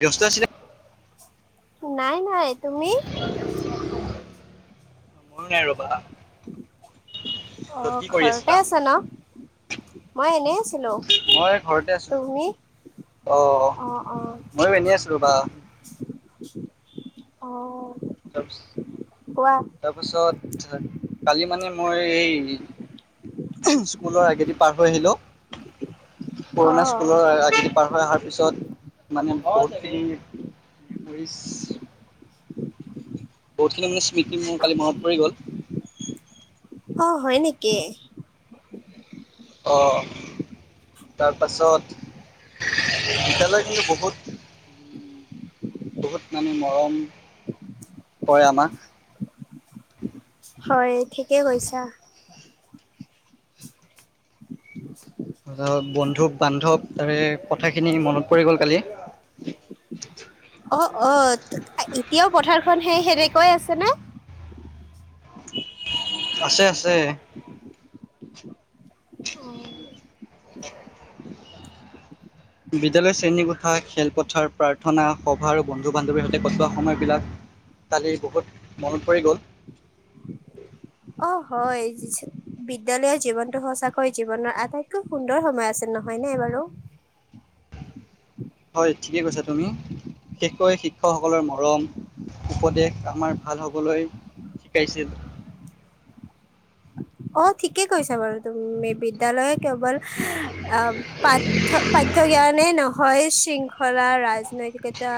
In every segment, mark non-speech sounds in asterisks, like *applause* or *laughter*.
ব্যস্ত আছিলে। নাই নাই তুমি। মোৰ নাই ৰবা অ ৰ কি কৰি ঘৰতে আছিলা আছা ন এনেই আছিলো মই ঘৰতে আছো তুমি অঁ অ অ ময়ো এনেই আছিলো বা অঁ। তাৰপিছত কালি মানে। মই এই স্কুলৰ আগেদি পাৰ হৈ আহিলোঁ অ পুৰণা স্কুলৰ আজেদি পাৰ হৈ অহাৰ পিছত মানে ব বহুতখিনি মানে স্মৃতি মোৰ কালি মনত পৰি গ'ল অ হয় নেকি! অঁ তাৰপাছত বিদ্যালয় কিন্তু বহুত বহুত মানে মৰম কৰে আমাক হয় ঠিকেই কৈছা বন্ধু বান্ধৱ তাৰে কথাখিনি মনত পৰি গ'ল কালি অঁ অঁ! এতিয়াও পথাৰখন সেই সেনেকই আছেনে আছে আছে বিদ্যালয়ৰ শ্ৰেণীকোঠা খেলপথাৰ প্ৰাৰ্থনা সভা আৰু বন্ধু বান্ধৱীৰ সৈতে কটোৱা সময়বিলাক কালিৰ বহুত মনত পৰি গ'ল অ হয় বিদ্যালয়ৰ জীৱনতটো সচাকৈ জীৱনৰ আটাইতকৈ সুন্দৰ সময় আছিল নহয় ন বাৰু হয় ঠিকেই কৈছা তুমি বিশেষকৈ শিক্ষকসকলৰ মৰম উপদেশ আমাৰ ভাল হ'বলৈ শিকাইছিল অ ঠিকে কৈছা বাৰু তুমি বিদ্যালয় কেৱল অ পাঠ্য পাঠ্য জ্ঞানে ন ভয় শৃংখলা ৰাজনৈতিক এটা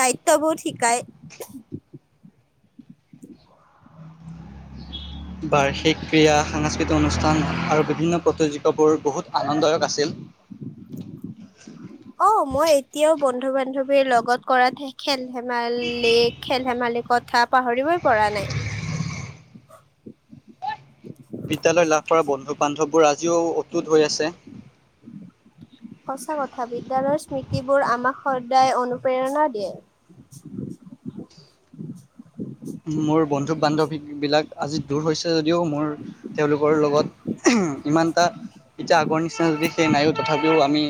দায়িত্ববোৰ শিকায়। বাৰ্ষিক ক্ৰীড়া সাংস্কৃতিক অনুষ্ঠান আৰু বিভিন্ন প্ৰতিযোগিতাবোৰ বহুত আনন্দদায়ক আছিল অ মই এতিয়াও বন্ধু বান্ধৱীৰ লগত কৰাতহে খেল ধেমালি খেল। ধেমালি কথা পাহৰিবই পৰা নাই বিদ্যয়ালয় লাভ কৰা বন্ধু বান্ধৱবোৰ আজিও প্ৰস্তুত হৈ আছে সঁচা কথা বিদ্যালয়ৰ স্মৃতিবোৰ আমাক সদায় অনুপ্ৰেৰণা দিয়ে মোৰ বন্ধু বান্ধৱী বিলাক আজি দূৰ হৈছে যদিও মোৰ তেওঁলোকৰ লগত ইমানটা এতিয়া আগৰ নিচিনা যদি সেই নাইো তথাপিও আমি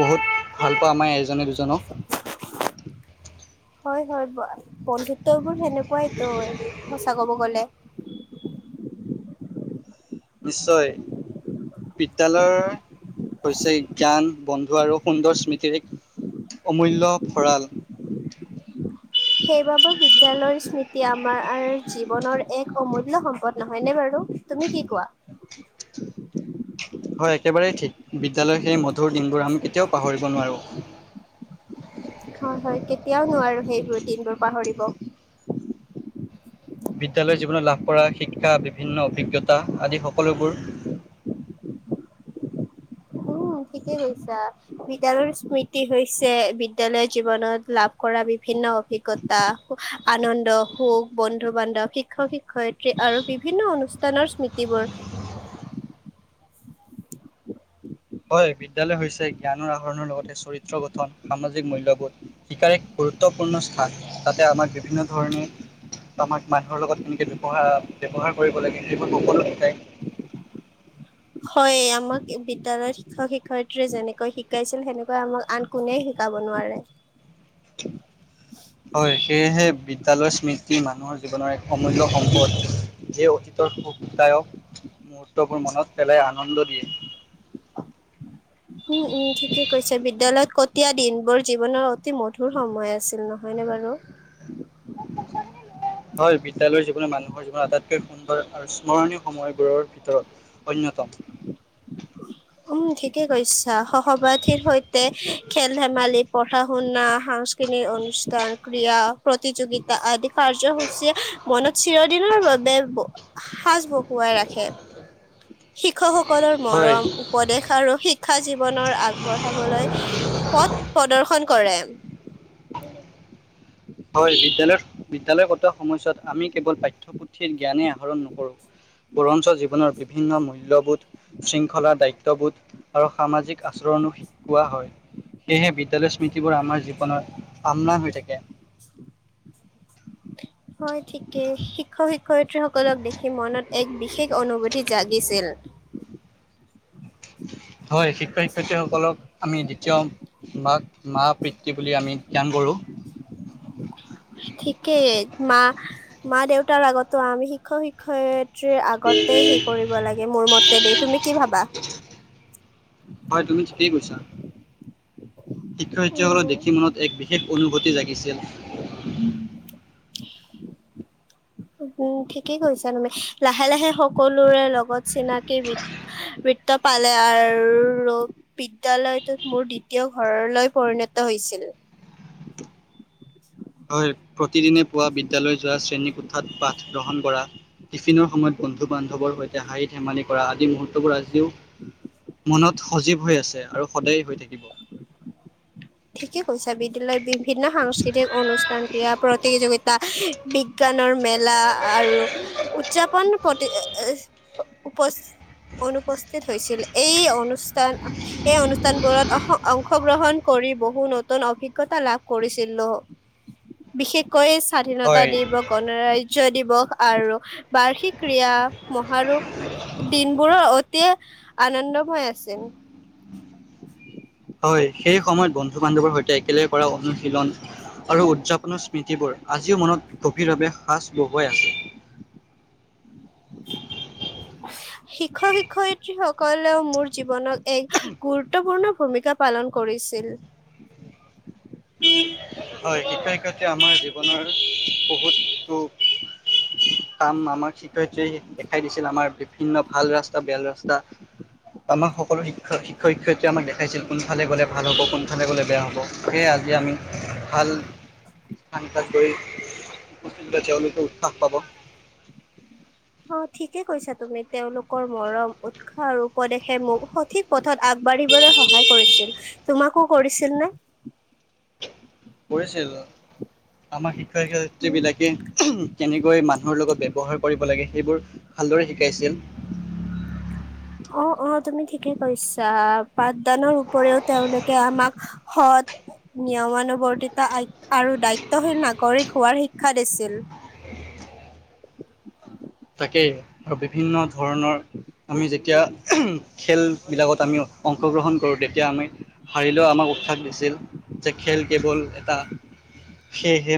বহুত ভাল পাওঁ আমাৰ আজনে দুজন জন ন হয় হয় বন্ধুত্ব বোৰ সেনেকুৱা। নেকুৱাই ত সঁচা ক'ব গ'লে নিশ্চয় বিদ্যালয় হৈছে জ্ঞান বন্ধু আৰু সুন্দৰ স্মৃতিৰ এক অমূল্যয় ভঁৰাল সেইবাবে বিদ্যয়ালয়ৰ স্মৃতি আমাৰ জীৱনৰ এক অমূল্য সম্পদ নহয়নেে বাৰু তুমি কি কোৱা হয় একেবাৰেেই ঠিক বিদ্যালয় সেই ম কধোৰ দিনবোৰ আমি এতিয়াও পাহৰিব নোৱাৰোঁ হয় হয় কেতিয়াও নোৱাৰো সেইবোৰ দিনবোৰ পাহৰিব বিদ্যয়ালয়ৰ জীৱনত লাভ কৰা শিক্ষা বিভিন্ন অভিজ্ঞতা আদি সকলোবোৰ উ ঠিকেই কৈছা বিদ্যালয়ৰ স্মৃতি হৈছে বিদ্যালয় জীৱনত লাভ কৰা বিভিন্ন অভিজ্ঞতা আনন্দ সুখ বন্ধু বান্ধৱ শিক্ষক শিক্ষয়িত্ৰী আৰু বিভিন্ন অনুষ্ঠানৰ স্মৃতিবোৰ হয় বিদ্য়ালয় হৈছে জ্ঞানৰ আহৰণৰ লগতে চৰিত্ৰ গঠন সামাজিক মূল্যবোধশিকাৰ এক গুৰুত্বপূৰ্ণ স্থান যাতে আমাক বিভিন্ন ধৰণে আমাক মানুহৰ লগত এনেকে ব্যৱহাৰ ব্যৱহাৰ কৰিব লাগে সেইবোৰ সকলো শিকাই। হয় আমাক বিদ্যালয়ত শিক্ষক শিক্ষয়িতীয়ে যেনেকৈ শিকাইছিল সেনেকৈ আমাক আন কোনে শিকাব নোৱাৰে হয় সেয়েহে বিদ্যালয় স্মৃতি মানুহৰ জীৱনৰ এক অমূল্য সম্পদ যিয়ে অতীতৰ সুখদায়ক মুহূৰ্তবোৰ মনত পেলাই আনন্দ দিয়ে। উম উম ঠিকে কৈছে বিদ্যালয়ত কটীয়া দিনবোৰ জীৱনৰ অতি মধুৰ সময় আছিল নহয়নেে বাৰু হয় বিদ্যালয়ৰ মানুহৰ জীৱনত আটাইতকৈ সুন্দৰ আৰু স্মৰণীয় সময়বোৰৰ ভিতৰত অন্যতম উম ঠিকে কৈছ সহপাঠীৰ সৈতে খেল ধেমালি পঢ়া শুনা সাংস্কৃতিক অনুষ্ঠান ক্ৰীড়া প্ৰতিযোগিতা আদি কাৰ্যসূচীয়ে মনত চিৰদিনৰ বাবে সাজ বহুৱাই ৰাখে শিক্ষকসকল হয় মৰম উপদেশ আৰু শিক শিক্ষা জীৱনৰ আগবঢ়াবলৈ পথ প্ৰদৰ্শন কৰে হয় বিদ্যালয়ত বিদ্যালয় কটোৱা সময়ছোৱাত আমি কেৱল পাঠ্যপুথিৰ জ্ঞানেই আহৰণ নকৰো বৰঞ্চ জীৱনৰ বিভিন্ন মূল্যবোধ শৃংখলা দায়িত্ববোধ আৰু সামাজিক আচৰণো শিকোৱা হয় সেয়েহে বিদ্যয়ালয়ৰ স্মৃতিবোৰ আমাৰ জীৱনৰ আমলান হৈ থাকে হয় ঠিকে শিক্ষক শিক শিক্ষয়ত্ৰী সকলক দেখি মনত এক বিশেষ অনুভূতি জাগিছিল হয় শিক্ষক শিক্ষয়িত্ৰীসকলক আমি দ্বিতীয় মাক মা পিতৃ বুলি আমি জ্ঞান কৰোঁ ঠিকেই মা মা দেউতাৰ আগতো আমি শিক্ষক শিক্ষয়ত্ৰ আগতে হেই কৰিব লাগে মোৰ মতে দেই তুমি কি ভাবা হয় তুমি শিক্ষয়িত্ৰীসকলক দেখি উম মনত এক বিশেষ অনুভূতি জাগিছিল উম ঠিকেই কৈছা তুমি লাহে লাহে সকলোৰে লগত চিনাকি বৃত্ত পালে আৰু বিদ্যালয়ত মোৰ দ্বিতীয় ঘৰলৈ পৰিণত হৈছিল হয় প্ৰতিদিনে পুৱা বিদ্যালয় যোৱা শ্ৰেণীকোঠাত পাঠ গ্ৰহণ কৰা টিফিনৰ সময়ত বন্ধু বান্ধৱৰ সৈতে হাঁহি ধেমালি কৰা আদি মুহূৰ্তবোৰ আজিও মনত সজীৱ হৈ আছে আৰু সদায় হৈ থাকিব ঠিকে কৈছা বিদ্যালয়ৰ বি বিভিন্ন সাংস্কৃতিক অনুষ্ঠান ক্ৰীড়া প্ৰতিযোগিতা বিজ্ঞানৰ মেলা আৰু উদযাপন প্ৰতি উপ অনুপস্থিত হৈছিল এই অনুষ্ঠান এই অনুষ্ঠানবোৰত অঁ অংশগ্ৰহণ কৰি বহু নতুন অভিজ্ঞতা লাভ কৰিছিলো বিশেষ কৈ স্বাধীনতা হয় দিব গণৰাজ্য ৰাজ্য দিৱস আৰু বাৰ্ষিক ক্ৰী়য়া মহাৰোপ দিনবোৰৰ অতি আনন্দময় আছিল হয় সেই সময়ত বন্ধু বান্ধৱৰ সৈতে একেলগে কৰা অনু শিলণ আৰু উদযাপন কোনো স্মৃতিবোৰ আজিও মনত গভীৰভাৱে সাঁচ বহুৱাই আছে শিক্ষক শিক্ষয়িত্ৰীসকলেও মোৰ জীৱনত এক গুৰুত্বপূৰ্ণ ভূমিকা পালন কৰিছিল হয় শিক্ষক শিক্ষয়িত্ৰীয়ে আমাৰ জীৱনৰ বহুতো কাম আমাক শিক্ষয়িত্ৰীয়ে দেখাই দিছিল আমাৰ বিভিন্ন ভাল ৰাস্তা বেয়া ৰাস্তা আমাক সকলো শিক্ষ শিক্ষক শিক্ষয়িত্ৰীয়ে আমাক দেখাইছিল কোনফালে গ'লে ভাল হ'ব কোনফালে গ'লে বেয়া হ'ব সেয়ে আজি আমি ভাল স্থান কাজ গৈ উপস্থিত হৈছে তেওঁলোকে উৎসাহ পাব অঁ ঠিকে কৈছা তুমি তেওঁলোক কৰ মৰম উৎসাহ আৰু উপদেশে মোক সঠিক পথত আগবাঢ়িবলৈ সহায় কৰিছিল তোমাকো কৰিছিল নে কৰিছিল আমাক শিক্ষক শিক্ষয়িত্ৰীবিলাকে উমহ কেনেকৈ মানুহৰ লগত ব্যৱহাৰ কৰিব লাগে সেইবোৰ ভালদৰে শিকাইছিল অ অ তুমি ঠিকে কৈছা পাঠদানৰ উপৰিও তেওঁলোকে আমাক সৎ নিয়মানুবৰ্তিতা আৰু দায়িত্বশীল নাগৰিক হোৱাৰ শিক্ষা দিছিল তাকেই আৰু বিভিন্ন ধৰণৰ আমি যেতিয়া উমহ খেলবিলাকত আমি অংশগ্ৰহণ কৰোঁ তেতিয়া আমি হাৰিলেও আমাক উৎসাহ দিছিল যে খেল কেৱল এটা সেয়েহে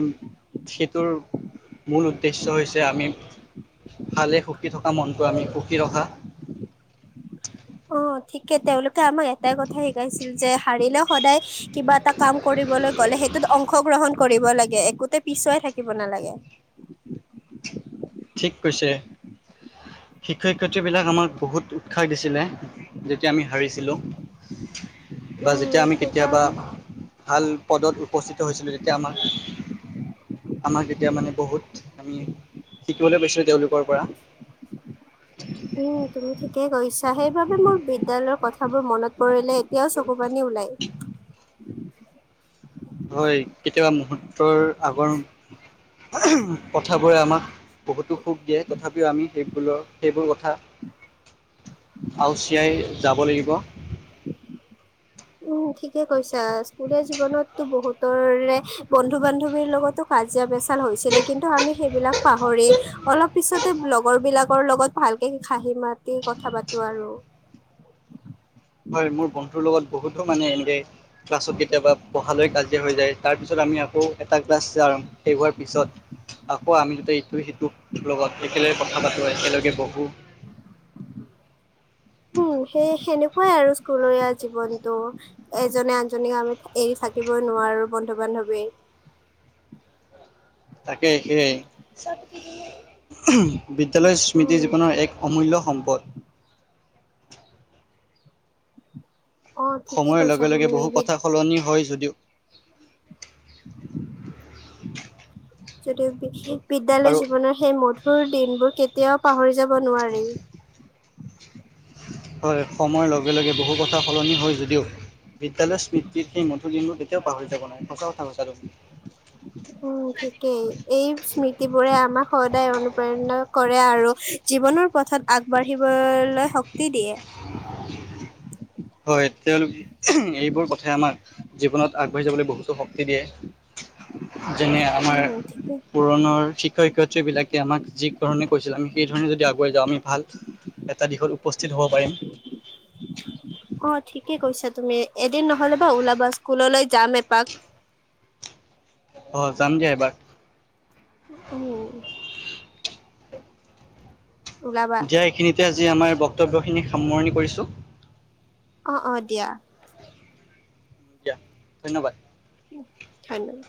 সেইটোৰ মূল উদ্দেশ্য হৈছে আমি ভালে সুখী থকা মনটো আমি সুখী ৰখা অ ঠিকে তেওঁলোকে আমাক এটাই কথা শিকাইছিল যে হাৰিলে সদায় কিবা এটা কাম কৰিবলৈ গ'লে সেইটোত অংশগ্ৰহণ কৰিব লাগে একোতে পিছুৱাই থাকিব নেলাগে কৈছে শিক্ষক শিক্ষয়িত্ৰীবিলাক আমাক বহুত উৎসাহ দিছিলে যেতিয়া আমি হাৰিছিলোঁ বা উম যেতিয়া আমি কেতিয়াবা সেইকাৰণে ভাল পদত উপস্থিত হৈছিলোঁ তেতিয়া আমাক আমাক তেতিয়া মানে বহুত আমি শিকিবলে পাইছিলো তেওঁলোক উম তুমি ঠিকেই কৈছা সেইবাবে মোৰ বিদ্যয়ালয়ৰ কথাবোৰ মনত পৰিলে এতিয়া চকু পানী ওলায়। *unintelligible* হয় কেতিয়াবা মুহূৰ্তৰ আগৰ *unintelligible* কথা বোৰে আমাক বহুতো সুখ দিয়ে, তথাপিও আমি সেইবোৰ সেইবোৰ কথা আউচীয়াই যাব লাগিব। উম ঠিকে কৈছা স্কুলীয়া জীৱনতো বহুতৰে বন্ধু বান্ধৱীৰ লগতো কাজিয়া পেচাল হৈছিলে কিন্তু আমি সেইবিলাক পাহৰি অলপ পিছতে লগ লগৰ বিলাকৰ লগত ভালকে খাহি মাতি কথা পাতো আৰু। হয় মোৰ বন্ধুৰ লগত বহুতো মানে এনেকৈ ক্লাছত কেতিয়াবা পঢ়ালৈ কাজিয়া হৈ যায়, তাৰপিছত আমি আকৌ, এটা ক্লাছ যাম শেষ হোৱাৰ পিছত আকৌ আমি যতে ইটো সিটোৰ লগত একেলগে কথা পাতোঁ একেলগে বহোঁ। উম সেই সেনেকুৱাই আৰু স্কুলীয়া জীৱনটো। এজনে আনজনীক আমি এৰি থাকিবই নোৱাৰো বন্ধু বান্ধৱীৰ। তাকে সেইয়াই। *unintelligible* বিদ্যালয় স্মৃতি উম, জীৱনৰ এক অমূল্য সম্পদ। অ' ঠিকেই সময়ৰ কৈছা লগে লগে তুমি বহু বিদ কথা সলনি হয় যদি *inaudible* *inaudible* যদিও বিশেষ বিদ্যালয় আৰু জীৱনৰ সেই মঠ তোৰ দিনবোৰ কেতিয়াও পাহৰি যাব নোৱাৰি। হয় সময়ৰ লগে লগে বহু কথা সলনি হয় যদিও, বিদ্যালয় স্মৃতিত সেই মধু দিনবোৰ কেতিয়াও পাহৰি যাব নোৱাৰি। সঁচা কথা কৈছা তুমি। উম ঠিকেই। এই স্মৃতি বোৰে আম আমাক সদায় অনুপ্ৰেৰণা কৰে আৰু জীৱনৰ পথত আগবাঢ়িবলৈ তি দিয়ে। হয় তেওঁলোকে *unintelligible* এইবোৰ কথাই আমাক জীৱনত আগবাঢ়ি যাবলে বহুতো শক্তি দিয়ে। যেনে আমাৰ উম, ঠিকে পুৰণৰ শিক্ষয় সেইবিলাকে আমাক যি কাৰণে কৈছিল আমি সেই আমি যদি আগুৱাই যাওঁ আমি ভাল এটা দিশত উপস্থিত হ'ম। পাৰিম। অ ঠিকে কৈছা তুমি। এদিন নহ'লে বা ওলাবা স্কুললৈ যাম এপাক। অ জাম দিয়া এপাক। উম, ওলাবা যাইখিনিতে আজি আমাৰ বক্তব্যখিনি সামৰণি কৰিছোঁ। অ অ দিয়া। দিয়া ধন্যবাদ। ধন্যবাদ।